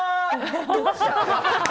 どうした？